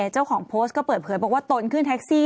เจ้าของโพสต์ก็เปิดเผยบอกว่าตนขึ้นแท็กซี่